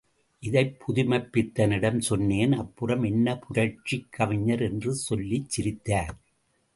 இதைப் புதுமைப்பித்தனிடம் சொன்னேன் அப்புறம் என்ன புரட்சிக் கவிஞர் என்று சொல்லி சிரித்தார்.